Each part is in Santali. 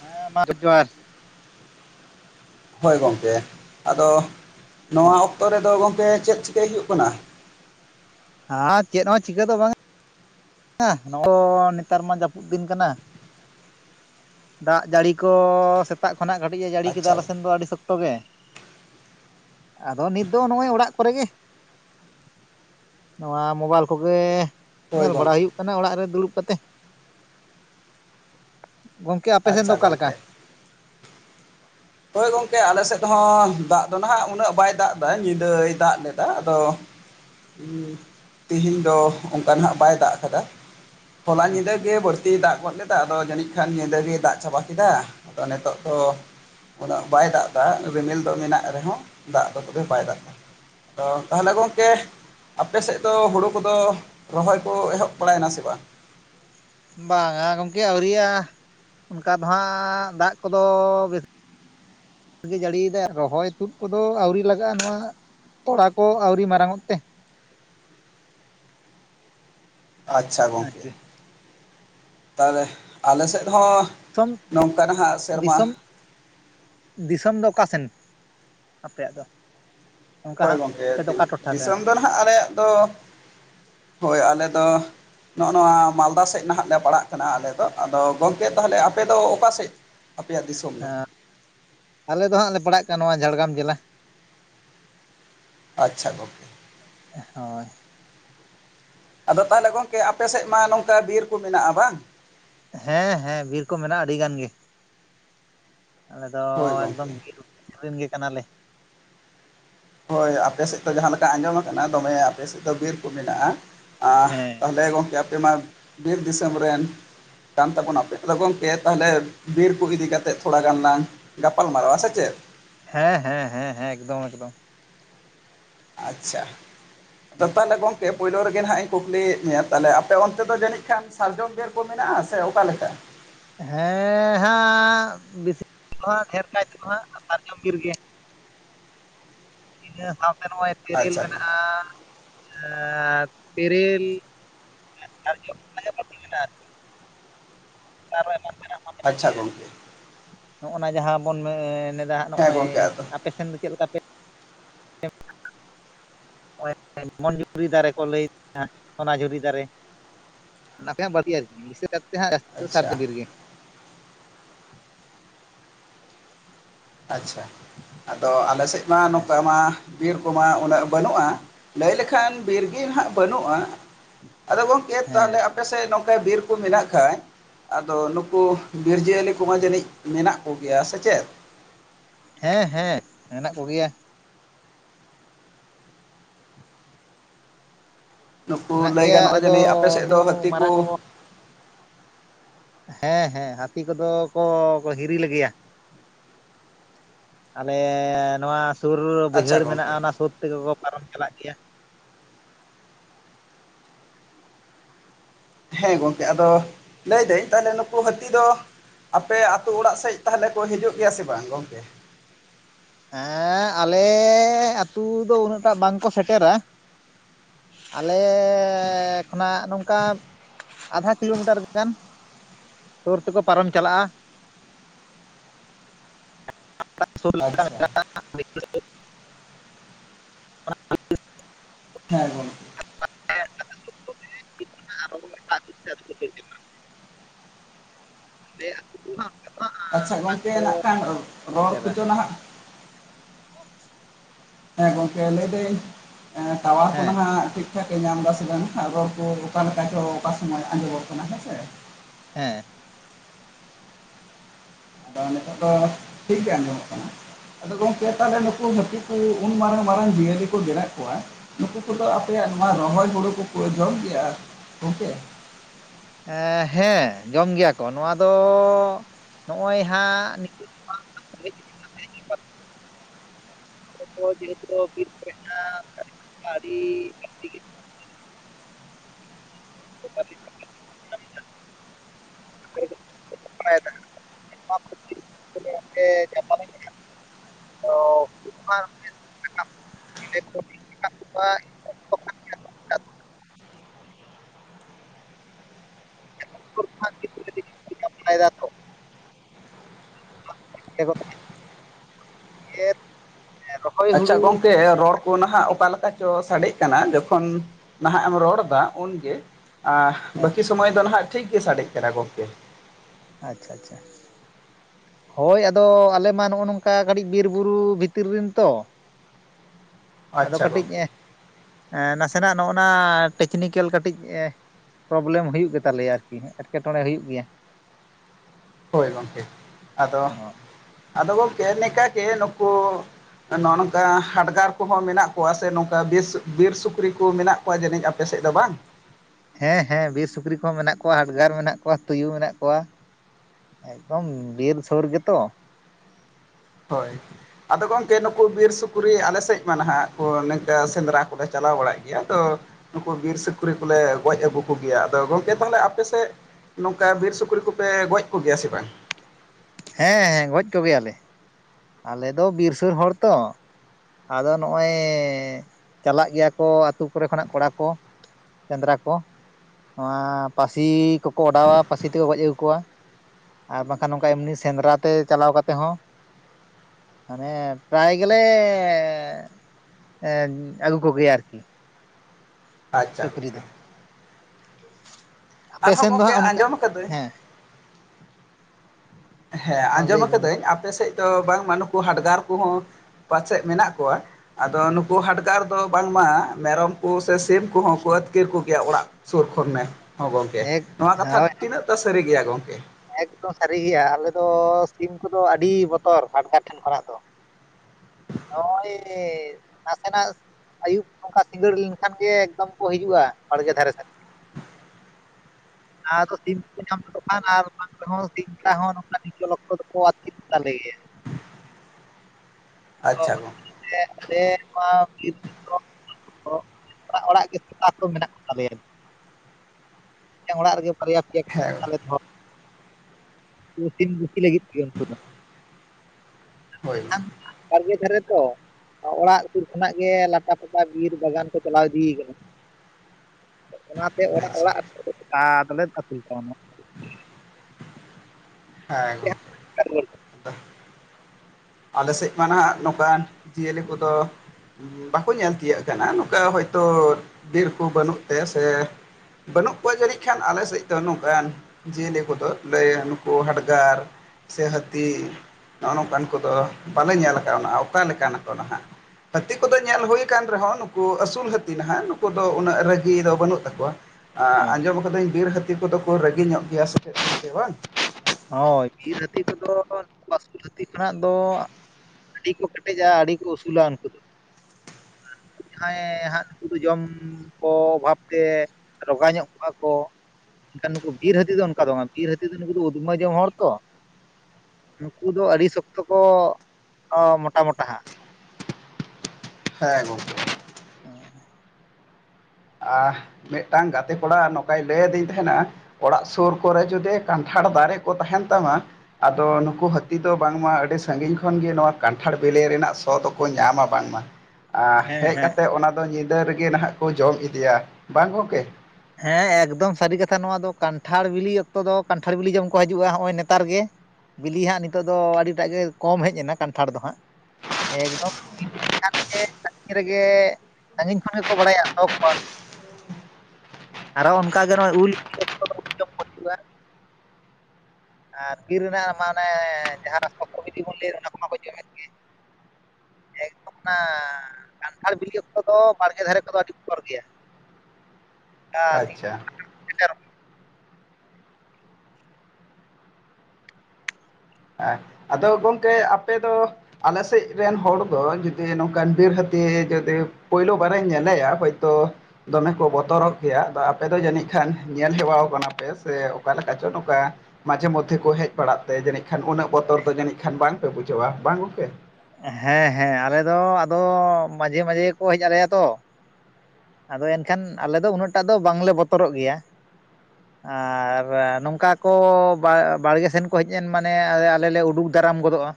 ᱦᱮᱸ ᱢᱟ ᱡᱚᱜ [inaudible] ᱦᱟᱨ ᱦᱳᱭ ᱜᱚᱝᱠᱮ ᱟᱫᱚ ᱱᱚᱣᱟ ᱚᱠᱛᱚ ᱨᱮᱫᱚ ᱜᱚᱝᱠᱮ ᱪᱮᱫ ᱪᱤᱠᱟᱹᱭ ᱦᱩᱭᱩᱜ ᱠᱟᱱᱟ? ᱦᱟᱸ ᱪᱮᱫ ᱦᱚᱸ ᱪᱤᱠᱟᱹ ᱫᱚ ᱵᱟᱝᱼᱟ ᱦᱮᱸ, ᱱᱚᱜᱼᱚ ᱱᱮᱛᱟᱨ ᱢᱟ, ᱡᱟᱹᱯᱩᱫ ᱫᱤᱱ ᱠᱟᱱᱟᱼᱼ ᱫᱟᱜ ᱡᱟᱹᱲᱤ ᱠᱚ ᱥᱮᱛᱟᱜ ᱠᱷᱚᱱᱟᱜ, ᱠᱟᱹᱴᱤᱡ ᱮ ᱡᱟᱹᱲᱤ ᱠᱮᱫᱟ ᱟᱪᱪᱷᱟ ᱟᱞᱮ ᱥᱮᱱ ᱫᱚ, ᱟᱹᱰᱤ ᱥᱚᱠᱛᱚ ᱛᱚᱵᱮ, ᱟᱫᱚ ᱱᱤᱛ ᱫᱚ ᱱᱚᱜᱼᱚᱭ ᱚᱲᱟᱜ ᱠᱚᱨᱮ ᱜᱮ ᱱᱚᱣᱟ ᱢᱚᱵᱟᱭᱤᱞ ᱠᱚᱜᱮ ᱦᱳᱭ ᱧᱮᱞ ᱵᱟᱲᱟ ᱜᱚᱢᱠᱮ ᱦᱩᱭᱩᱜ ᱠᱟᱱᱟ ᱚᱲᱟᱜ ᱨᱮ ᱫᱩᱲᱩᱵ ᱠᱟᱛᱮ ᱜᱚᱝᱠᱮ ᱟᱯᱮ ᱥᱮᱫ ᱫᱚ ᱟᱪᱪᱷᱟ ᱚᱠᱟᱞᱮᱠᱟ? ᱜᱚᱢᱠᱮ ᱦᱳᱭ ᱜᱚᱝᱠᱮ ᱟᱞᱮ ᱥᱮᱫ ᱦᱚᱸ ᱫᱟᱜ ᱫᱚ ᱱᱟᱦᱟᱸᱜ ᱩᱱᱟᱹᱜ ᱵᱟᱭ ᱫᱟᱜ ᱮᱫᱟ ᱧᱤᱫᱟᱹᱭ ᱫᱟᱜ ᱞᱮᱫᱟ ᱟᱫᱚᱼᱼ ᱛᱮᱦᱤᱧ ᱫᱚ ᱚᱱᱠᱟ ᱱᱦᱟᱜ ᱵᱟᱭ ᱫᱟᱜ ᱠᱟᱫᱟ ᱦᱚᱞᱟ ᱧᱤᱫᱟᱹ ᱟᱪᱪᱷᱟ ᱜᱮ ᱵᱟᱹᱲ ᱛᱤᱭ ᱫᱟᱜ ᱜᱚᱫ ᱞᱮᱫᱟ, ᱟᱫᱚ ᱡᱟᱹᱱᱤᱡ ᱠᱷᱟᱱ ᱧᱤᱫᱟᱹ ᱜᱮᱭ ᱫᱟᱜ ᱪᱟᱵᱟ ᱠᱮᱫᱟ, ᱟᱫᱚ ᱱᱤᱛᱚᱜ ᱫᱚ ᱩᱱᱟᱹᱜ ᱵᱟᱭ ᱫᱟᱜ ᱫᱟ, ᱨᱤᱢᱤᱞ ᱫᱚ ᱢᱮᱱᱟᱜ ᱨᱮᱦᱚᱸ, ᱫᱟᱜ ᱫᱚ ᱛᱚᱵᱮ ᱵᱟᱭ ᱫᱟᱜ ᱫᱟ? ᱚᱸ, ᱛᱟᱦᱚᱞᱮ ᱜᱚᱝᱠᱮ ᱟᱯᱮ ᱥᱮᱜ ᱫᱚ ᱦᱳᱲᱳ ᱠᱚᱫᱚ ᱨᱚᱦᱚᱭ ᱠᱚ, ᱮᱦᱚᱵ ᱵᱟᱲᱟᱭ ᱱᱟ ᱥᱮ ᱵᱟᱝ? ᱵᱟᱝ ᱟ ᱜᱚᱢᱠᱮ ᱟᱹᱣᱨᱤᱭᱟᱜ ᱟ ᱚᱱᱠᱟ ᱫᱚ ᱦᱟᱜ ᱫᱟᱜ ᱠᱚᱫᱚ ᱵᱮᱥ ᱡᱟᱹᱲᱤ ᱜᱮ ᱡᱟᱹᱲᱤᱭ ᱫᱟᱭ, ᱨᱚᱦᱚᱭ ᱛᱩᱫ ᱠᱚ ᱫᱚ, ᱟᱹᱣᱨᱤ ᱞᱟᱜᱟᱜᱼᱟ, ᱱᱚᱣᱟ ᱛᱚᱲᱟ ᱠᱚ, ᱟᱣᱨᱤ ᱢᱟᱨᱟᱝ ᱚᱜ ᱛᱮ ᱼᱼ ᱟᱪᱪᱷᱟ ᱜᱚᱝᱠᱮ, ᱟᱨᱠᱤ ᱛᱟᱦᱚᱞᱮ ᱟᱞᱮᱥᱮᱫ ᱦᱚᱸ ᱫᱤᱥᱚᱢ ᱱᱚᱝᱠᱟ, ᱱᱟᱦᱟᱜ ᱥᱮᱨᱢᱟ ᱫᱤᱥᱚᱢ ᱫᱤᱥᱚᱢ ᱫᱚ ᱚᱠᱟ ᱥᱮᱱ ᱟᱯᱮ ᱭᱟᱜ ᱫᱚ? ᱚᱱᱠᱟ ᱦᱳᱭ ᱦᱟᱸᱜ ᱜᱚᱝᱠᱮ, ᱚᱠᱟ ᱴᱚᱴᱷᱟ ᱯᱮ ᱫᱤᱥᱚᱢ ᱫᱚ ᱱᱟᱦᱟᱜ ᱟᱞᱮᱭᱟᱜ ᱫᱚ ᱦᱳᱭ, ᱟᱞᱮ ᱫᱚ ᱱᱚᱜᱼ ᱱᱚᱶᱟ ᱢᱟᱞᱫᱟ ᱥᱮᱫ ᱱᱟᱦᱟᱜ ᱞᱮ ᱯᱟᱲᱟᱜ ᱠᱟᱱᱟ, ᱟᱞᱮᱫᱚ ᱟᱫᱚ ᱜᱚᱝᱠᱮ ᱛᱟᱦᱚᱞᱮ ᱟᱯᱮᱫᱚ, ᱚᱠᱟ ᱥᱮᱫ? ᱟᱯᱮᱭᱟᱜ ᱫᱤᱥᱚᱢ ᱫᱚ? ᱦᱮᱸ ᱟᱞᱮ ᱫᱚ ᱦᱟᱸᱜ ᱞᱮ ᱯᱟᱲᱟᱜ ᱠᱟᱱᱟ, ᱱᱚᱶᱟ ᱡᱷᱟᱲᱜᱨᱟᱢ ᱡᱮᱞᱟ ᱾ ᱟᱪᱪᱷᱟ, ᱜᱚᱝᱠᱮ᱾ ᱮᱸ ᱦᱳᱭ, ᱟᱫᱚ ᱛᱟᱦᱚᱞᱮ ᱜᱚᱢᱠᱮ ᱟᱯᱮ ᱥᱮᱫ ᱢᱟ, ᱱᱚᱝᱠᱟ ᱵᱤᱨ ᱠᱚ ᱢᱮᱱᱟᱜᱼᱟ ᱵᱟᱝ? ᱦᱮᱸ, ᱦᱮᱸ, ᱵᱤᱨ ᱠᱚ ᱢᱮᱱᱟᱜᱼᱟ ᱟᱹᱰᱤ ᱜᱟᱱ ᱜᱮ, ᱟᱞᱮ ᱫᱚ ᱦᱳᱭ ᱮᱠᱫᱚᱢ ᱜᱚᱝᱠᱮ ᱵᱤᱨᱼᱼ ᱨᱮᱱ ᱜᱮ ᱠᱟᱱᱟᱞᱮ ᱾ ᱦᱳᱭ ᱟᱯᱮ ᱥᱮᱫ ᱫᱚ ᱡᱟᱦᱟᱸ ᱞᱮᱠᱟ ᱟᱸᱡᱚᱢ ᱠᱟᱱᱟ, ᱫᱚᱢᱮ ᱟᱯᱮ ᱥᱮᱫ ᱫᱚ ᱵᱤᱨ ᱠᱚ ᱢᱮᱱᱟᱜᱼᱟ ᱾ ᱟᱸ ᱦᱮᱸ ᱛᱟᱦᱚᱞᱮ ᱜᱚᱢᱠᱮ ᱟᱯᱮ ᱢᱟ, ᱵᱤᱨ ᱫᱤᱥᱚᱢ ᱨᱮᱱ? ᱠᱟᱱ ᱛᱟᱵᱚᱱᱟᱯᱮ, ᱟᱫᱚ ᱜᱚᱢᱠᱮ ᱛᱟᱦᱚᱞᱮ ᱵᱤᱨ ᱠᱩᱨᱩ ᱤᱫᱤ ᱠᱟᱛᱮ, ᱛᱷᱚᱲᱟ ᱜᱟᱱ ᱞᱟᱝᱼᱼ ᱜᱟᱯᱟᱞ ᱢᱟᱨᱟᱣ ᱼᱟ, ᱥᱮ ᱪᱮᱫ? ᱦᱮᱸ, ᱦᱮᱸ, ᱦᱮᱸ, ᱦᱮᱸ, ᱮᱠᱫᱚᱢ-ᱮᱠᱫᱚᱢ᱾ ᱟᱪᱷᱟ ᱫᱚ ᱛᱟᱦᱞᱮ ᱜᱚᱝᱠᱮ ᱯᱳᱭᱞᱳ ᱨᱮᱜᱮ ᱱᱟᱜ ᱤᱧ ᱠᱩᱠᱞᱤᱭᱮᱫ ᱢᱮᱭᱟ ᱛᱟᱦᱞᱮ ᱟᱯᱮ ᱚᱱᱛᱮ ᱫᱚ ᱡᱟᱹᱱᱤᱡ ᱠᱷᱟᱱ ᱥᱟᱨᱡᱚᱢ ᱵᱩᱨ ᱠᱚ ᱢᱮᱱᱟᱜᱼᱟ ᱥᱮ ᱚᱠᱟᱞᱮᱠᱟ ᱦᱮᱸ ᱦᱟᱸ ᱟᱜ ᱵᱮᱥᱤ ᱰᱷᱮᱨ ᱠᱟᱭᱛᱮ ᱫᱚ ᱦᱟᱜ ᱥᱟᱨᱡᱚᱢ ᱵᱤᱨ ᱜᱮ ᱤᱱᱟᱹ ᱥᱟᱶᱛᱮ ᱱᱚᱜᱼᱚᱭ ᱛᱮᱨᱮᱞ ᱟᱪᱪᱷᱟ ᱢᱮᱱᱟᱜᱼᱟ ᱮᱸ ᱛᱮᱨᱮᱞ ᱚᱱᱮ ᱥᱟᱨᱡᱚᱢ ᱠᱷᱚᱱᱟᱜ ᱦᱚ ᱵᱟ. ᱲᱛᱤ ᱢᱮᱱᱟᱜ ᱟ ᱟᱨᱠᱤ ᱟᱨᱚ ᱮᱢᱟᱱ ᱛᱮᱱᱟᱜ ᱟᱪᱪᱷᱟ, ᱜᱚᱝᱠᱮ ᱼᱼ ᱦᱚᱜᱼᱚ ᱱᱚᱣᱟ ᱡᱟᱦᱟᱸ ᱵᱚᱱ ᱢᱮᱱᱫᱟ ᱦᱟᱸᱜ ᱦᱮᱸ ᱱᱚᱜᱼᱚᱭ ᱜᱚᱝᱠᱮ ᱟᱫᱚ ᱟᱯᱮ ᱥᱮᱱ ᱫᱚ ᱪᱮᱫᱞᱠᱟ ᱯᱮ ᱱᱚᱜᱚᱭ ᱢᱚᱱᱡᱩᱨᱤ ᱫᱟᱨᱮ ᱠᱚ ᱞᱟ. ᱭᱮᱫ ᱛᱟᱦᱮᱫ ᱥᱚᱱᱟᱡᱷᱩᱨᱤ ᱫᱟᱨᱮ ᱚᱱᱟ ᱠᱷᱚᱭᱟᱜ ᱵᱟᱹᱲᱛᱤ ᱟᱨᱠᱤ ᱡᱟ. ᱥᱛᱤ ᱠᱟᱨ ᱛᱮ ᱦᱟᱜ ᱡᱟ. ᱥᱛᱤ ᱫᱚ ᱟᱪᱪᱷᱟ ᱥᱟᱨᱡᱚᱢ ᱵᱤᱨ ᱜᱮ ᱟᱪᱷᱟ ᱟᱫᱚ ᱟᱞᱮ ᱥᱮᱫ ᱢᱟ ᱦᱮᱸ ᱱᱚᱝᱠᱟ ᱢᱟ ᱵᱤᱨ ᱠᱚᱢᱟ ᱩᱱᱟᱹᱜ ᱵᱟᱹᱱᱩᱜᱼᱟ ᱞᱟᱹᱭ ᱞᱮᱠᱷᱟᱱ ᱵᱤᱨ ᱜᱮ ᱦᱟᱜ ᱵᱟᱹᱱᱩᱜᱼᱟ ᱟᱫᱚ ᱜᱚᱝ ᱮᱭᱟ ᱦᱮᱸ ᱛᱟᱦᱞᱮ ᱟᱯᱮ ᱥᱮᱫ ᱱᱚᱛᱮ ᱵᱤᱨ ᱠᱚ ᱢᱮᱱᱟᱜ ᱠᱷᱟᱡ ᱟᱫᱚ ᱱᱩᱠᱩ ᱵᱤᱨᱡᱤᱭᱟᱹᱞᱤ ᱠᱚᱢᱟ, ᱡᱟᱹᱱᱤᱡ ᱢᱮᱱᱟᱜ ᱠᱚᱜᱮᱭᱟ ᱥᱮ ᱪᱮᱜ? ᱦᱮᱸ ᱦᱮᱸ ᱢᱮᱱᱟᱜ ᱠᱚᱜᱮᱭᱟ ᱱᱩᱠᱩ ᱢᱮᱱᱟᱜ ᱞᱟᱹᱭ ᱠᱚᱜᱮᱭᱟ ᱟᱞᱮ ᱜᱟᱱᱚᱜᱼᱟ ᱫᱚ ᱡᱟᱹᱱᱤᱡ ᱟᱯᱮ ᱥᱮᱫ ᱩᱱᱠᱩ ᱫᱚ ᱦᱟᱹᱛᱤ ᱠᱚ ᱢᱟᱨᱟᱝ ᱦᱮᱸ ᱦᱮᱸ ᱦᱟᱹᱛᱤ ᱠᱚᱫᱚ ᱠᱚ ᱦᱤᱨᱤ ᱞᱮ ᱜᱮᱭᱟ᱾ ᱟᱞᱮ ᱱᱚᱣᱟ ᱥᱩᱨ ᱵᱟᱹᱭᱦᱟᱹᱲ ᱟᱪᱪᱷᱟ ᱢᱮᱱᱟᱜᱼᱟ ᱜᱚᱝᱠᱮ ᱚᱱᱟ ᱥᱩᱨ ᱛᱮᱜᱮ ᱠᱚ ᱯᱟᱨᱚᱢ ᱪᱟᱞᱟᱜ ᱜᱮᱭᱟ ᱦᱮᱸ ᱜᱚᱝᱠᱮ ᱟᱫᱚ ᱞᱟᱹᱭ ᱫᱟᱹᱧ ᱛᱟᱦᱞᱮ ᱱᱩᱠᱩ ᱦᱟᱹᱛᱤ ᱫᱚ ᱟᱯᱮ ᱟᱛᱳ ᱚᱲᱟᱜ ᱥᱮᱡ ᱛᱟᱦᱚᱞᱮ ᱠᱚ ᱦᱤᱡᱩᱜ ᱜᱮᱭᱟ ᱥᱮ ᱵᱟᱝ ᱜᱚᱝᱠᱮ ᱦᱮᱸ ᱟᱞᱮ ᱟᱹᱛᱩ ᱫᱚ ᱩᱱᱟᱹᱜᱴᱟᱜ ᱵᱟᱝᱠᱚ ᱥᱮᱴᱮᱨᱟ ᱟᱞᱮ ᱠᱷᱚᱱᱟᱜ ᱱᱚᱝᱠᱟ ᱟᱫᱷᱟ ᱠᱤᱞᱳᱢᱤᱴᱟᱨ ᱜᱟᱱ ᱥᱳᱨ ᱛᱮᱠᱚ ᱯᱟᱨᱚᱢ ᱪᱟᱞᱟᱜᱼᱟ ᱟᱪᱪᱷᱟ [unintelligible] [inaudible] [unintelligible] ᱦᱮᱸ, ᱜᱚᱢᱠᱮ᱾ [unintelligible] [unintelligible] ᱟᱪᱪᱷᱟ ᱜᱚᱝᱠᱮ ᱱᱟᱜ ᱠᱷᱟᱱ ᱨᱚᱲ ᱠᱚᱪᱚ ᱱᱷᱟᱜᱼᱼ ᱚ ᱦᱮᱸ ᱜᱚᱝᱠᱮ ᱞᱟᱹᱭ ᱫᱟᱹᱧ ᱴᱟᱣᱟᱨ ᱠᱚ ᱦᱮᱸ ᱱᱟᱦᱟᱜ ᱴᱷᱤᱠ ᱴᱷᱟᱠᱮ ᱧᱟᱢ ᱮᱫᱟᱟᱥᱮ ᱵᱟᱝᱠᱷᱟᱱ ᱨᱚᱲ ᱠᱚ ᱚᱠᱟ ᱞᱮᱠᱟ ᱪᱚ ᱚᱠᱟ ᱥᱚᱢᱚᱭ ᱟᱸᱡᱚᱢᱚᱜ ᱠᱟᱱᱟ ᱦᱮᱸ ᱥᱮ ᱦᱮᱸ ᱟᱫᱚ ᱱᱤᱛᱚᱜ ᱫᱚ ᱴᱷᱤᱠ ᱜᱮ ᱟᱸᱡᱚᱢᱚᱜ ᱠᱟᱱᱟ ᱟᱫᱚ ᱜᱚᱝᱠᱮ ᱛᱟᱦᱚᱞᱮ ᱱᱩᱠᱩ ᱦᱟᱹᱛᱤ ᱠᱚ ᱩᱱ ᱢᱟᱨᱟᱝ ᱢᱟᱨᱟᱝ ᱡᱤᱭᱟᱹᱞᱤ ᱠᱚ ᱢᱮᱱᱟᱜ ᱠᱚᱣᱟ ᱱᱩᱠᱩ ᱠᱚᱫᱚ ᱟᱯᱮᱭᱟᱜ ᱱᱚᱣᱟ ᱨᱚᱦᱚᱭ ᱦᱩᱲᱩ ᱠᱚᱠᱚ ᱡᱚᱢ ᱜᱮᱭᱟ ᱜᱚᱝᱠᱮ ᱮᱸ ᱦᱮᱸ ᱡᱚᱢ ᱜᱮᱭᱟ ᱠᱚ ᱱᱚᱣᱟ ᱫᱚ ᱱᱚᱜᱼᱚᱭ ᱦᱟᱸᱜ ᱥᱤ [inaudible] [inaudible] ᱚ [inaudible] [inaudible] [inaudible] ᱵᱟᱲᱟᱭᱮᱫᱟ ᱛᱚ ᱮ ᱮ [inaudible] ᱟᱪᱪᱷᱟ ᱜᱚᱝᱠᱮ ᱨᱚᱲ ᱠᱚ ᱱᱟᱦᱟᱜ ᱚᱠᱟ ᱞᱮᱠᱟ ᱪᱚ ᱥᱟᱰᱮᱜ ᱠᱟᱱᱟ ᱡᱚᱠᱷᱚᱱ ᱱᱟᱦᱟᱜ ᱮᱢ ᱨᱚᱲᱫᱟ ᱩᱱᱜᱮ ᱵᱟᱹᱠᱤ ᱥᱚᱢᱚᱭ ᱫᱚ ᱱᱟᱜ ᱴᱷᱤᱠ ᱜᱮ ᱥᱟᱰᱮᱜ ᱠᱟᱱᱟ ᱜᱚᱢᱠᱮ ᱟᱪᱪᱷᱟ ᱟᱪᱪᱷᱟ ᱦᱳᱭ ᱟᱫᱚ ᱟᱞᱮ ᱢᱟ ᱱᱚᱜᱼᱚ ᱱᱚᱝᱠᱟ ᱠᱟᱹᱴᱤᱡ ᱵᱤᱨ ᱵᱩᱨᱩ ᱵᱷᱤᱛᱤᱨ ᱨᱮᱱ ᱛᱚ ᱟᱫᱚ ᱟᱪᱪᱷᱟ ᱠᱟᱹᱴᱤᱡ ᱜᱚᱝᱠᱮ ᱱᱟᱥᱮᱱᱟᱜ ᱱᱚᱜᱼᱚ ᱱᱟ ᱴᱮᱠᱱᱤᱠᱮᱞ ᱠᱟᱹᱴᱤᱡ ᱯᱨᱚᱵᱞᱮᱢ ᱦᱩᱭᱩᱜ ᱜᱮᱛᱟᱞᱮᱭᱟ ᱟᱨᱠᱤ ᱮᱴᱠᱮᱴᱚᱬᱮ ᱦᱩᱭᱩᱜ ᱜᱮᱭᱟ ᱦᱳᱭ ᱜᱚᱝᱠᱮ ᱟᱫᱚ ᱟᱫᱚ ᱜᱚᱢᱠᱮ ᱱᱤᱝᱠᱟᱹ ᱜᱮ ᱱᱩᱠᱩ ᱱᱚᱜᱼᱚ ᱱᱚᱝᱠᱟ ᱦᱟᱰᱜᱟᱨ ᱠᱚᱦᱚᱸ ᱢᱮᱱᱟᱜ ᱠᱚᱣᱟ ᱥᱮ ᱱᱚᱝᱠᱟ ᱵᱤᱨ ᱥᱩᱠᱨᱤ ᱠᱚ ᱢᱮᱱᱟᱜ ᱠᱚᱣᱟ ᱡᱟᱹᱱᱤᱡ ᱟᱯᱮ ᱥᱮᱫ ᱫᱚ ᱵᱟᱝ ᱦᱮᱸ ᱦᱮᱸ ᱵᱤᱨ ᱥᱩᱠᱨᱤ ᱠᱚᱦᱚᱸ ᱢᱮᱱᱟᱜ ᱠᱚᱣᱟ ᱦᱟᱰᱜᱟᱨ ᱢᱮᱱᱟᱜ ᱠᱚᱣᱟ ᱛᱩᱭᱩ ᱢᱮᱱᱟᱜ ᱠᱚᱣᱟ ᱮᱠᱫᱚᱢ ᱵᱤᱨ ᱥᱩᱨ ᱜᱮᱛᱚ ᱦᱳᱭ ᱟᱫᱚ ᱜᱚᱢᱠᱮ ᱱᱩᱠᱩ ᱵᱤᱨ ᱥᱩᱠᱨᱤ ᱟᱞᱮ ᱥᱮᱫ ᱢᱟ ᱱᱟᱦᱟᱜ ᱠᱚ ᱱᱚᱝᱠᱟ ᱥᱮᱸᱫᱽᱨᱟ ᱠᱚᱞᱮ ᱪᱟᱞᱟᱣ ᱵᱟᱲᱟᱜ ᱜᱮᱭᱟ ᱟᱫᱚ ᱱᱩᱠᱩ ᱵᱤᱨ ᱥᱩᱠᱨᱤ ᱠᱚᱞᱮ ᱜᱚᱡ ᱟᱹᱜᱩ ᱠᱚ ᱜᱮᱭᱟ ᱟᱫᱚ ᱜᱚᱢᱠᱮ ᱛᱟᱦᱞᱮ ᱟᱯᱮᱥᱮᱫ ᱱᱚᱝᱠᱟ ᱵᱤᱨ ᱥᱩᱠᱨᱤ ᱠᱚᱯᱮ ᱜᱚᱡ ᱠᱚᱜᱮᱭᱟ ᱥᱮ ᱵᱟᱝ ᱦᱮᱸ ᱦᱮᱸ ᱜᱚᱡ ᱠᱚᱜᱮᱭᱟᱞᱮ ᱟᱞᱮ ᱫᱚ ᱵᱤᱨ ᱥᱩᱨ ᱦᱚᱲ ᱛᱚ ᱟᱫᱚ ᱱᱚᱜᱼᱚᱭ ᱪᱟᱞᱟᱜ ᱜᱮᱭᱟ ᱠᱚ ᱟᱛᱩ ᱠᱚᱨᱮ ᱠᱷᱚᱱᱟᱜ ᱠᱚᱲᱟ ᱠᱚ ᱥᱮᱸᱫᱽᱨᱟ ᱠᱚ ᱱᱚᱣᱟ ᱯᱟᱹᱥᱤ ᱠᱚᱠᱚ ᱚᱰᱟᱣᱟ ᱯᱟᱹᱥᱤ ᱛᱮᱠᱚ ᱜᱚᱡ ᱟᱹᱜᱩ ᱠᱚᱣᱟ ᱟᱨ ᱵᱟᱝ ᱠᱷᱟᱱ ᱱᱚᱝᱠᱟ ᱮᱢᱱᱤ ᱥᱮᱸᱫᱽᱨᱟ ᱛᱮ ᱪᱟᱞᱟᱣ ᱠᱟᱛᱮ ᱦᱚᱸ ᱢᱟᱱᱮ ᱯᱨᱟᱭ ᱜᱮᱞᱮ ᱟᱹᱜᱩ ᱠᱚᱜᱮᱭᱟ ᱟᱨᱠᱤ ᱟᱪᱪᱷᱟ ᱥᱩᱠᱨᱤ ᱫᱚ ᱟᱯᱮ ᱟᱨᱦᱚᱸ ᱥᱮᱱ ᱫᱚ ᱜᱚᱝᱠᱮ ᱦᱟᱸᱜ ᱚᱱᱠᱟ ᱟᱸᱡᱚᱢ ᱟᱠᱟᱫᱟᱹᱧ ᱦᱮᱸ᱾ ᱦᱮᱸ ᱦᱚᱸ ᱟᱸᱡᱚᱢ ᱞᱟᱹᱭ ᱵᱤᱱ ᱢᱟ ᱟᱠᱟᱫᱟᱹᱧ ᱟᱯᱮᱥᱮᱫ ᱫᱚ ᱵᱟᱝᱢᱟ ᱱᱩᱠᱩ ᱦᱟᱰᱜᱟᱨ ᱠᱚᱦᱚᱸ ᱯᱟᱪᱮᱫ ᱢᱮᱱᱟᱜ ᱠᱚᱣᱟ᱾ ᱟᱫᱚ ᱱᱩᱠᱩ ᱦᱟᱰᱜᱟᱨ ᱫᱚ ᱵᱟᱝᱢᱟ ᱢᱮᱨᱚᱢ ᱠᱚ ᱥᱮ ᱥᱤᱢ ᱠᱚᱦᱚᱸ ᱠᱚ ᱟᱹᱛᱠᱤᱨ ᱠᱚᱜᱮᱭᱟ ᱚᱲᱟᱜ ᱥᱩᱨ ᱠᱷᱚᱱ ᱢᱮ ᱦᱚᱸ ᱜᱚᱢᱠᱮ ᱮᱠ ᱱᱚᱣᱟ ᱠᱟᱛᱷᱟ ᱦᱳᱭ ᱛᱤᱱᱟᱹᱜ ᱫᱚ ᱥᱟᱹᱨᱤ ᱜᱮᱭᱟ ᱜᱚᱢᱠᱮ ᱮᱠᱫᱚᱢ ᱥᱟᱹᱨᱤ ᱜᱮᱭᱟ ᱟᱞᱮ ᱫᱚ ᱥᱤᱢ ᱠᱚᱫᱚ ᱟᱹᱰᱤ ᱵᱚᱛᱚᱨ ᱦᱟᱰᱜᱟᱨ ᱴᱷᱮᱱ ᱠᱷᱚᱱᱟᱜ ᱫᱚ ᱱᱚᱜᱼᱚᱭ ᱱᱟᱥᱮᱱᱟᱜ ᱟᱹᱭᱩᱵ ᱱᱚᱝᱠᱟ ᱥᱤᱸᱜᱟᱹᱲ ᱞᱮᱱᱠᱷᱟᱱ ᱜᱮ ᱮᱠᱫᱚᱢ ᱠᱚ ᱦᱤᱡᱩᱜᱼᱟ ᱵᱟᱲᱜᱮ ᱫᱷᱟᱨᱮ ᱥᱮᱱ [inaudible] ᱟᱨᱫᱚ ᱥᱤᱢ ᱠᱚ ᱧᱟᱢ ᱞᱮ ᱠᱷᱟᱱ ᱟᱨ ᱨᱮᱦᱚᱸ ᱛ ᱦᱚᱸ ᱱᱚᱝᱠ ᱦᱤᱡᱚᱜ ᱚᱠᱛᱚ ᱫᱚᱠᱚ ᱟᱹᱛᱤᱨᱤᱧ ᱛᱟᱞᱮ ᱜᱮᱭᱟ [inaudible] [unintelligible] ᱟᱪᱪᱷᱟ ᱜᱚᱝ ᱯᱮ ᱱᱚᱣᱟ [unintelligible] ᱚᱲᱟᱜ ᱚᱲᱟᱜ ᱜᱮ ᱥᱮᱛᱟ ᱠᱚ ᱢᱮᱱᱟᱜ ᱠᱚ ᱛᱟᱞᱮᱭᱟ ᱦᱮᱸ ᱚᱲᱟᱜ ᱨᱮᱜᱮ ᱵᱟᱨᱭᱟ ᱯᱮᱭᱟ ᱦᱮᱸ ᱟᱞᱮ ᱥᱮ ᱯᱨᱚᱴᱤᱱ ᱵᱮᱥᱤ ᱞᱟᱹᱜᱤᱫ ᱜᱮ ᱩᱱᱠᱩ ᱫᱚ᱾ ᱦᱳᱭ ᱵᱟᱲᱜᱮ ᱫᱷᱟᱨᱮ ᱛᱚ᱾ ᱚᱲᱟᱜ ᱥᱩᱨ ᱠᱷᱚᱱᱟᱜ ᱜᱮ ᱞᱟᱴᱟ ᱯᱟᱴᱟ ᱵᱤᱨ ᱵᱟᱜᱟᱱ ᱠᱚ ᱪᱟᱞᱟᱣ ᱤᱫᱤ ᱟᱠᱟᱱᱟ᱾ ᱚᱱᱟᱛᱮ ᱚᱲᱟᱜ ᱟᱪᱪᱷᱟ ᱚᱲᱟᱜ ᱠᱚ ᱫᱟᱜᱽ ᱫᱚᱞᱮ ᱟᱹᱛᱩᱭ ᱛᱟᱦᱮᱱᱟ᱾ ᱦᱮᱸ ᱜᱚᱢᱠᱮ᱾ [unintelligible] ᱟᱞᱮ ᱥᱮᱫ ᱢᱟ ᱱᱟᱦᱟᱜ ᱱᱚᱝᱠᱟᱱ ᱡᱤᱭᱟᱹᱞᱤ ᱠᱚᱫᱚ ᱵᱟᱠᱚ ᱧᱮᱞ ᱛᱤᱭᱳᱜ ᱟᱠᱟᱱᱟ ᱱᱚᱝᱠᱟ ᱦᱚᱭᱛᱳ ᱵᱤᱨ ᱠᱚ ᱵᱟᱹᱱᱩᱜ ᱛᱮ ᱥᱮ ᱵᱟᱹᱱᱩᱜ ᱠᱚᱣᱟ ᱡᱟᱹᱱᱤᱡ ᱠᱷᱟᱱ ᱟᱞᱮ ᱥᱮᱫ ᱫᱚ ᱱᱚᱝᱠᱟᱱ ᱡᱤᱭᱟᱹᱞᱤ ᱠᱚᱫᱚ ᱞᱟᱹᱭ ᱱᱩᱠᱩ ᱦᱟᱰᱜᱟᱨ ᱥᱮ ᱦᱟᱹᱛᱤ ᱱᱚᱜ-ᱚᱭ ᱱᱚᱝᱠᱟᱱ ᱩᱱᱠᱩᱫᱚ ᱵᱟᱞᱮ ᱧᱮᱞ ᱟᱠᱟᱫ ᱟᱱᱟ ᱚᱠᱟᱞᱮᱠᱟᱱ ᱟᱠᱚ ᱱᱟᱦᱟᱜ᱾ ᱦᱟᱹᱛᱤ ᱠᱚᱫᱚ ᱧᱮᱞ ᱦᱩᱭ ᱟᱠᱟᱱ ᱨᱮᱦᱚᱸ ᱱᱩᱠᱩ ᱟᱹᱥᱩᱞ ᱦᱟᱹᱛᱤ ᱱᱟᱦᱟᱜ ᱱᱩᱠᱩ ᱫᱚ ᱩᱱᱟᱹᱜ ᱨᱟᱹᱜᱤ ᱫᱚ ᱵᱟᱹᱱᱩᱜ ᱛᱟᱠᱩᱣᱟ᱾ ᱟᱸᱡᱚᱢ ᱟᱠᱟᱫᱟᱹᱧ ᱵᱤᱨ ᱦᱟᱹᱛᱤ ᱠᱚᱫᱚ ᱠᱚ ᱨᱟᱹᱜᱤ ᱧᱚᱜ ᱜᱮᱭᱟ ᱥᱮ ᱪᱮᱫ ᱵᱟᱝ? ᱦᱳᱭ ᱵᱤᱨ ᱦᱟᱹᱛᱤ ᱠᱚᱫᱚ ᱱᱩᱠᱩ ᱟᱹᱥᱩᱞ ᱦᱟᱹᱛᱤ ᱠᱷᱚᱱᱟᱜ ᱫᱚ ᱟᱹᱰᱤ ᱠᱚ ᱠᱮᱴᱮᱡᱟ ᱟᱹᱰᱤ ᱠᱚ ᱩᱥᱩᱞᱟ ᱩᱱᱠᱩ ᱫᱚ᱾ [unintelligible] ᱡᱟᱦᱟᱸᱭ ᱦᱟᱸᱜ ᱱᱩᱠᱩ ᱫᱚ ᱡᱚᱢ ᱠᱚ ᱚᱵᱷᱟᱵ ᱛᱮ ᱨᱚᱜᱟ ᱧᱚᱜ ᱠᱚᱣᱟ ᱠᱚ ᱢᱮᱱᱠᱷᱟᱱ ᱱᱩᱠᱩ ᱵᱤᱨ ᱦᱟᱹᱛᱤ ᱫᱚ ᱚᱱᱠᱟ ᱫᱚ ᱵᱟᱝ ᱵᱤᱨ ᱦᱟᱹᱛᱤ ᱫᱚ ᱱᱩᱠᱩ ᱫᱚ ᱩᱫᱽᱢᱮᱭ ᱡᱚᱢ ᱦᱚᱲ ᱛᱚ᱾ ᱱᱩᱠᱩ ᱫᱚ ᱟᱹᱰᱤ ᱥᱚᱠᱛᱚ ᱠᱚ ᱢᱚᱴᱟ ᱢᱚᱴᱟ ᱦᱟᱸᱜ᱾ ᱦᱮᱸ ᱜᱚᱢᱠᱮ᱾ ᱦᱮᱸ ᱟᱨ ᱢᱤᱫᱴᱟᱝ ᱜᱟᱛᱮ ᱠᱚᱲᱟ ᱱᱚᱝᱠᱟᱭ ᱞᱟᱹᱭ ᱟᱹᱫᱤᱧ ᱛᱟᱦᱮᱸᱱᱟ ᱚᱲᱟᱜ ᱥᱩᱨ ᱠᱚᱨᱮ ᱡᱩᱫᱤ ᱠᱟᱱᱴᱷᱟᱲ ᱫᱟᱨᱮ ᱠᱚ ᱛᱟᱦᱮᱱ ᱛᱟᱢᱟ ᱟᱫᱚ ᱱᱩᱠᱩ ᱦᱟᱹᱛᱤ ᱫᱚ ᱵᱟᱝᱢᱟ ᱟᱹᱰᱤ ᱥᱟᱺᱜᱤᱧ ᱠᱷᱚᱱ ᱜᱮ ᱱᱚᱣᱟ ᱠᱟᱱᱴᱷᱟᱲ ᱵᱮᱞᱮ ᱨᱮᱱᱟᱜ ᱥᱚ ᱥᱚ ᱫᱚᱠᱚ ᱧᱟᱢᱟ ᱵᱟᱝᱢᱟ᱾ ᱟᱨ ᱦᱮᱸ ᱦᱮᱡ ᱦᱮᱸ ᱠᱟᱛᱮᱫ ᱚᱱᱟ ᱫᱚ ᱧᱤᱫᱟᱹ ᱨᱮᱜᱮ ᱱᱟᱦᱟᱸᱜ ᱠᱚ ᱡᱚᱢ ᱤᱫᱤᱭᱟ ᱵᱟᱝ ᱜᱚᱢᱠᱮ? ᱦᱮᱸ ᱮᱠᱫᱚᱢ ᱥᱟᱹᱨᱤ ᱠᱟᱛᱷᱟ ᱱᱚᱣᱟ ᱫᱚ ᱠᱟᱱᱴᱷᱟᱲ ᱵᱤᱞᱤ ᱚᱠᱛᱚ ᱫᱚ ᱠᱟᱱᱴᱷᱟᱲ ᱵᱤᱞᱤ ᱡᱚᱢ ᱠᱚ ᱦᱤᱡᱩᱜ-ᱟ ᱱᱚᱜ-ᱚᱭ ᱱᱮᱛᱟᱨ ᱜᱮ᱾ ᱵᱤᱞᱤ ᱦᱟᱸᱜ ᱱᱤᱛᱚᱜ ᱫᱚ ᱟᱹᱰᱤᱴᱟᱜ ᱜᱮ ᱠᱚᱢ ᱦᱮᱡ ᱮᱱᱟ ᱠᱟᱱᱴᱷᱟᱲ ᱫᱚ ᱦᱟᱸᱜ ᱮᱠᱫᱚᱢ ᱠᱷᱟᱱ ᱜᱮ ᱥᱟᱺᱜᱤᱧ ᱨᱮᱜᱮ ᱥᱟᱺᱜᱤᱧ ᱠᱷᱚᱱ ᱜᱮᱠᱚ ᱵᱟᱲᱟᱭᱟ ᱥᱚ ᱠᱚᱣᱟ ᱩᱱᱠᱚ ᱟᱨᱚ ᱚᱱᱠᱟ ᱜᱮ ᱱᱚᱜ-ᱚᱭ ᱩᱞ ᱚᱠᱛᱚ ᱫᱚ ᱩᱞ ᱡᱚᱢ ᱠᱚ ᱦᱤᱡᱩᱜᱼᱟ ᱟᱨ ᱵᱤᱨ ᱨᱮᱱᱟᱜ ᱢᱟᱱᱮ ᱡᱟᱦᱟᱸ ᱥᱚᱥᱚ ᱵᱤᱞᱤ ᱵᱚᱱ ᱞᱟᱹᱭ ᱚᱱᱟ ᱠᱚ ᱢᱟ ᱡᱚᱢᱮᱫ ᱜᱮ᱾ ᱮᱠᱫᱚᱢ ᱚᱱᱟ ᱠᱟᱱᱛᱷᱟᱲ ᱵᱤᱞᱤ ᱚᱠᱛᱚ ᱫᱚ ᱵᱟᱲᱜᱮ ᱫᱷᱟᱨᱮ ᱠᱚᱫᱚ ᱟᱹᱰᱤ ᱵᱚᱛᱚᱨ ᱜᱮᱭᱟ᱾ ᱟᱪᱪᱷᱟ᱾ ᱥᱤᱜᱽᱱᱮᱪᱟᱨ ᱦᱮᱸ ᱟᱫᱚ ᱜᱚᱢᱠᱮ ᱟᱯᱮ ᱫᱚ ᱟᱞᱮ ᱥᱮᱫ ᱨᱮᱱ ᱦᱚᱲ ᱫᱚ ᱡᱩᱫᱤ ᱱᱚᱝᱠᱟᱱ ᱵᱤᱨ ᱦᱟᱹᱛᱤ ᱡᱩᱫᱤ ᱯᱳᱭᱞᱳ ᱵᱟᱨᱮ ᱧᱮᱞᱮᱭᱟ ᱦᱚᱳᱭᱛᱳ ᱫᱚᱢᱮ ᱠᱚ ᱵᱚᱛᱚᱨᱚᱜ ᱜᱮᱭᱟ ᱟᱫᱚ ᱟᱯᱮ ᱫᱚ ᱡᱟᱹᱱᱤᱡ ᱠᱷᱟᱱ ᱧᱮᱞ ᱦᱮᱣᱟ ᱟᱠᱟᱱ ᱟᱯᱮ ᱥᱮ ᱚᱠᱟ ᱞᱮᱠᱟ ᱪᱚ ᱱᱚᱝᱠᱟ ᱢᱟᱡᱷᱮ ᱢᱚᱫᱽᱫᱷᱮ ᱠᱚ ᱦᱮᱡ ᱵᱟᱲᱟᱜ ᱛᱮ ᱡᱟᱹᱱᱤᱡ ᱠᱷᱟᱱ ᱩᱱᱟᱹᱜ ᱵᱚᱛᱚᱨ ᱫᱚ ᱡᱟᱹᱱᱤᱡ ᱠᱷᱟᱱ ᱵᱟᱝᱯᱮ ᱵᱩᱡᱷᱟᱹᱣᱟ ᱵᱟᱝ ᱜᱚᱝᱠᱮ ᱦᱮᱸ ᱦᱮᱸ ᱟᱞᱮ ᱫᱚ ᱟᱫᱚ ᱢᱟᱡᱷᱮ ᱢᱟᱡᱷᱮ ᱜᱮᱠᱚ ᱦᱮᱡ ᱟᱞᱮᱭᱟ ᱛᱚ ᱟᱫᱚ ᱮᱱᱠᱷᱟᱱ ᱟᱞᱮ ᱫᱚ ᱩᱱᱟᱹᱜ ᱴᱟᱜ ᱫᱚ ᱵᱟᱝᱞᱮ ᱵᱚᱛᱚᱨᱚᱜ ᱜᱮᱭᱟ᱾ [unintelligible] ᱟᱨ ᱱᱚᱝᱠᱟ ᱠᱚ ᱵᱟᱲᱜᱮ ᱥᱮᱱ ᱠᱚ ᱦᱮᱡ ᱮᱱ ᱢᱟᱱᱮ ᱟᱞᱮ ᱞᱮ ᱩᱸᱰᱩᱠ ᱫᱟᱨᱟᱢ ᱜᱚᱫᱚᱜ-ᱟ᱾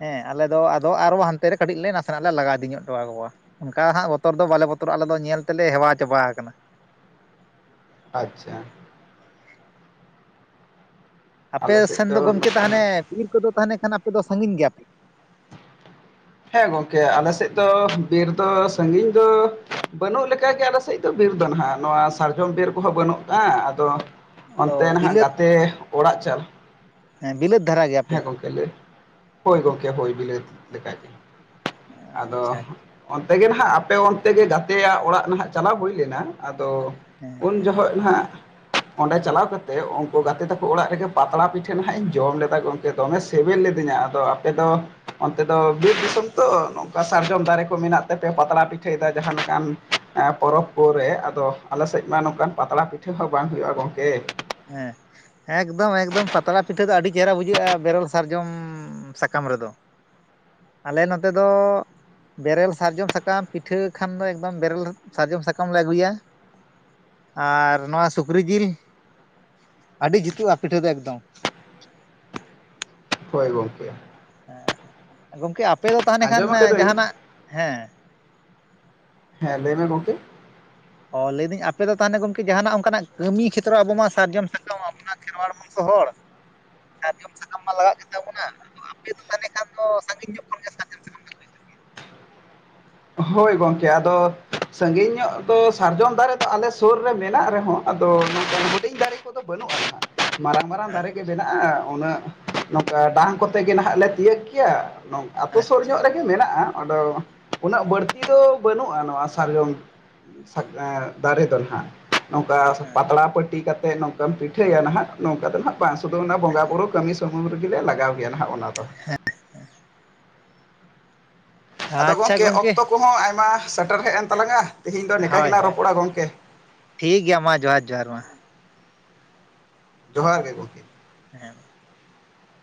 ᱦᱮᱸ ᱟᱞᱮ ᱫᱚ ᱟᱫᱚ ᱟᱨᱦᱚ ᱦᱟᱱᱛᱮ ᱨᱮ ᱠᱟᱹᱴᱤᱡ ᱞᱮ ᱱᱟᱥᱮᱱᱟᱜ ᱞᱮ ᱞᱟᱜᱟ ᱤᱫᱤ ᱧᱚᱜ ᱴᱚ ᱠᱟᱠᱚᱣᱟ᱾ ᱚᱱᱠᱟ ᱦᱟᱸᱜ ᱵᱚᱛᱚᱨ ᱫᱚ ᱵᱟᱞᱮ ᱵᱚᱛᱚᱨᱚᱜ-ᱟ ᱟᱞᱮ ᱫᱚ ᱧᱮᱞ ᱛᱮᱞᱮ ᱦᱮᱣᱟ ᱪᱟᱵᱟ ᱟᱠᱟᱱᱟ᱾ ᱟᱪᱪᱷᱟ᱾ ᱟᱯᱮ ᱟᱞᱮ ᱥᱮᱫ ᱥᱮᱱ ᱫᱚ ᱜᱚᱢᱠᱮ ᱱᱚᱝᱠᱟᱱ ᱛᱟᱦᱚᱞᱮ ᱵᱤᱨ ᱠᱚᱫᱚ ᱛᱟᱦᱚᱞᱮ ᱠᱷᱟᱱ ᱟᱯᱮ ᱫᱚ ᱥᱟᱺᱜᱤᱧ ᱜᱮᱭᱟᱯᱮ᱾ ᱦᱮᱸ ᱜᱚᱝᱠᱮ ᱟᱞᱮᱥᱮᱫ ᱫᱚ ᱵᱤᱨ ᱫᱚ ᱥᱟᱺᱜᱤᱧ ᱫᱚ ᱵᱟᱹᱱᱩᱜ ᱞᱮᱠᱟ ᱜᱮ ᱟᱞᱮᱥᱮᱫ ᱵᱤᱨ ᱫᱚ ᱱᱷᱟᱜ ᱱᱚᱣᱟ ᱥᱟᱨᱡᱚᱢ ᱵᱤᱨ ᱠᱚᱦᱚᱸ ᱵᱟᱹᱱᱩᱜ-ᱟ ᱟᱫᱚ ᱟᱫᱚ ᱚᱱᱛᱮ ᱱᱷᱟᱜ ᱜᱟᱛᱮ ᱚᱲᱟᱜ ᱪᱟᱞᱟᱜ ᱦᱮ ᱵᱤᱞᱟᱹᱛ ᱫᱷᱟᱨᱟ ᱜᱮᱭᱟᱼᱼ ᱦᱮᱸ ᱜᱚᱢᱠᱮ ᱞᱟᱹᱭ ᱦᱳᱭ ᱜᱚᱢᱠᱮ ᱦᱳᱭ ᱵᱤᱞᱟᱹᱛ ᱞᱮᱠᱟ ᱜᱮ ᱟᱫᱚᱼᱼ ᱟᱪᱪᱷᱟ ᱚᱱᱛᱮ ᱜᱮ ᱱᱟᱦᱱᱟᱜ ᱟᱯᱮ ᱚᱱᱛᱮ ᱜᱮ ᱜᱟᱛᱮ ᱭᱟᱜ ᱚᱲᱟᱜ ᱱᱟᱦᱟᱜ ᱪᱟᱞᱟᱣ ᱦᱩᱭ ᱞᱮᱱᱟ ᱟᱫᱚᱼᱼ ᱦᱮᱸ ᱩᱱ ᱡᱷᱚᱜ ᱱᱷᱟᱸᱜ ᱚᱸᱰᱮ ᱪᱟᱞᱟᱣ ᱠᱟᱛᱮᱜ ᱩᱱᱠᱩ ᱜᱟᱛᱮ ᱛᱟᱠᱚ ᱚᱲᱟᱜ ᱨᱮᱜᱮ ᱯᱟᱛᱲᱟ ᱯᱤᱴᱷᱟᱹ ᱱᱷᱟᱜ ᱤᱧ ᱡᱚᱢ ᱞᱮᱫᱟᱠ ᱫᱚᱢᱮ ᱥᱤᱵᱤᱞ ᱞᱤᱫᱤᱧᱟ ᱟᱫᱚ ᱟᱯᱮ ᱫᱚ ᱚᱱᱛᱮ ᱫᱚ ᱵᱤᱨ ᱫᱤᱥᱚᱢ ᱛᱚ ᱱᱚᱝᱠᱟ ᱥᱟᱨᱡᱚᱢ ᱫᱟᱨᱮ ᱠᱚ ᱢᱮᱱᱟᱜ ᱛᱮᱯᱮ ᱯᱟᱛᱲᱟ ᱯᱤᱴᱷᱟᱹᱭᱮᱫᱟ ᱡᱟᱦᱟᱸ ᱞᱮᱠᱟᱱ ᱯᱚᱨᱚᱵᱽ ᱠᱚᱨᱮ ᱟᱫᱚ ᱟᱞᱮ ᱥᱮᱫ ᱢᱟ ᱱᱚᱝᱠᱟᱱ ᱯᱟᱛᱲᱟ ᱯᱤᱴᱷᱟᱹ ᱦᱚᱸ ᱵᱟᱝ ᱦᱩᱭᱩᱜᱼᱟ ᱜᱚᱝᱠᱮ ᱦᱮᱸ ᱮᱠᱫᱚᱢ ᱮᱠᱫᱚᱢ ᱯᱟᱛᱲᱟ ᱯᱤᱴᱷᱟᱹ ᱫᱚ ᱟᱹᱰᱤ ᱪᱮᱦᱨᱟ ᱵᱩᱡᱷᱟᱹᱜᱼᱟ ᱵᱮᱨᱮᱞ ᱥᱟᱨᱡᱚᱢ ᱥᱟᱠᱟᱢ ᱨᱮᱫᱚ ᱟᱞᱮ ᱱᱚᱛᱮ ᱫᱚ ᱵᱮᱨᱮᱞ ᱥᱟᱨᱡᱚᱢ ᱥᱟᱠᱟᱢ ᱯᱤᱴᱷᱟᱹ ᱠᱷᱟᱱ ᱫᱚ ᱮᱠᱫᱚᱢ ᱵᱮᱨᱮᱞ ᱥᱟᱨᱡᱚᱢ ᱥᱟᱠᱟᱢ ᱞᱮ ᱟᱹᱜᱩᱭᱟ, ᱟᱨ ᱱᱚᱣᱟ ᱥᱩᱠᱨᱤ ᱡᱤᱞ ᱟᱹᱰᱤ ᱡᱩᱛᱩᱜᱼᱟ ᱯᱤᱴᱷᱟᱹ ᱫᱚ ᱮᱠᱫᱚᱢ ᱦᱳᱭ ᱜᱳᱢᱠᱮ ᱦᱮᱸ ᱜᱚᱢᱠᱮ ᱟᱯᱮ ᱫᱚ ᱛᱟᱦᱚᱞᱮ ᱠᱷᱟᱱ ᱟᱸᱡᱚᱢ ᱟᱠᱟᱫᱟᱹᱧ ᱡᱟᱦᱟᱱᱟᱜ ᱦᱮᱸᱼᱼ ᱦᱮᱸ ᱞᱟᱹᱭᱢᱮ ᱜᱚᱢᱠᱮ? ᱚ ᱞᱟᱹᱭᱫᱟᱹᱧ ᱟᱯᱮ ᱫᱚ ᱛᱟᱦᱚᱞᱮ ᱜᱚᱢᱠᱮ ᱡᱟᱦᱟᱱᱟᱜ ᱚᱱᱠᱟᱱᱟᱜ ᱠᱟᱹᱢᱤ ᱠᱷᱮᱛᱨᱚ ᱟᱵᱚ ᱢᱟ ᱥᱟᱨᱡᱚᱢ ᱥᱟᱠᱟᱢ [unintelligible] ᱠᱷᱮᱨᱣᱟᱲ ᱢᱚᱝᱥᱚ ᱦᱚᱲᱼᱼ ᱥᱟᱨᱡᱚᱢ ᱥᱟᱠᱟᱢ ᱢᱟ ᱞᱟᱜᱟᱜ ᱜᱮᱛᱟᱵᱚᱱᱟ ᱟᱯᱮ ᱫᱚ ᱛᱟᱞᱦᱮ ᱠᱷᱟᱱ ᱫᱚ ᱥᱟᱺᱜᱤᱧ ᱧᱚᱜ ᱠᱷᱚᱱ ᱜᱮᱼᱼ ᱦᱳᱭ ᱜᱚᱝᱠᱮ ᱟᱫᱚ ᱥᱟᱜᱤᱧ ᱧᱚᱜ ᱫᱚ ᱥᱟᱨᱡᱚᱢ ᱫᱟᱨᱮ ᱫᱚ ᱟᱞᱮ ᱥᱩᱨ ᱨᱮ ᱢᱮᱱᱟᱜ ᱨᱮᱦᱚᱸᱼᱼ ᱟᱫᱚ ᱦᱩᱰᱤᱧ ᱫᱟᱨᱮ ᱠᱚᱫᱚ ᱵᱟᱹᱱᱩᱜᱼᱟ ᱢᱟᱨᱟᱝ ᱢᱟᱨᱟᱝ ᱫᱟᱨᱮ ᱜᱮ ᱵᱮᱱᱟᱼᱼ ᱩᱱᱟᱹᱜ ᱱᱚᱝᱠᱟ ᱰᱟᱝ ᱠᱚᱛᱮ ᱜᱮ ᱱᱟᱦᱟᱜ ᱞᱮ ᱛᱤᱭᱳᱜ ᱜᱮᱭᱟᱼᱼ ᱟᱛᱳ ᱥᱩᱨ ᱟᱪᱪᱷᱟ ᱧᱚᱜ ᱨᱮᱜᱮ ᱢᱮᱱᱟᱜᱼᱟ ᱟᱫᱚ, ᱩᱱᱟᱹᱜ ᱵᱟᱹᱲᱛᱤ ᱫᱚ ᱵᱟᱹᱱᱩᱜᱼᱟ ᱱᱚᱣᱟ ᱥᱟᱨᱡᱚᱢ ᱫᱟᱨᱮ ᱫᱚ ᱱᱟᱦᱟᱜ᱾ ᱱᱚᱝᱠᱟ ᱯᱟᱛᱲᱟ ᱯᱟᱹᱴᱤ ᱠᱟᱛᱮᱜ ᱱᱚᱝᱠᱟᱢ ᱯᱤᱴᱷᱟᱹᱭᱟ ᱱᱟᱦᱟᱜ ᱱᱚᱝᱠᱟ ᱫᱚ ᱱᱷᱟᱜᱼᱼ ᱵᱟᱝ ᱥᱩᱫᱷᱩ ᱚᱱᱟ ᱵᱚᱸᱜᱟ ᱵᱩᱨᱩ ᱠᱟᱹᱢᱤ ᱥᱩᱢᱩᱢ ᱨᱮᱜᱮᱞᱮ ᱞᱟᱜᱟᱣ ᱜᱮᱭᱟ ᱦᱟᱜ ᱚᱱᱟ ᱫᱚ᱾ [unintelligible] ᱟᱪᱪᱷᱟ ᱟᱫᱚ ᱟᱪᱪᱷᱟ ᱜᱚᱢᱠᱮ ᱚᱠᱛᱚ ᱠᱚᱦᱚᱸ ᱟᱭᱢᱟ ᱥᱮᱴᱮᱨ ᱦᱮᱡ ᱮᱱ ᱛᱟᱞᱟᱝᱼᱟ ᱛᱮᱦᱤᱧ ᱫᱚ ᱱᱤᱝᱠᱟ ᱦᱳᱭ ᱜᱮᱞᱟᱝ ᱦᱳᱭ ᱨᱚᱯᱚᱲᱟ ᱜᱚᱢᱠᱮ᱾ ᱴᱷᱤᱠ ᱜᱮᱭᱟ ᱢᱟ ᱡᱚᱦᱟᱨ ᱡᱚᱦᱟᱨ ᱢᱟ᱾ ᱡᱚᱦᱟᱨ ᱜᱮ ᱜᱚᱢᱠᱮ᱾ ᱦᱮᱸ